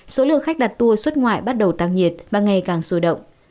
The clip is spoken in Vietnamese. số lượng khách đặt tour xuất ngoại bắt đầu tăng nhiệt và ngày càng sôi động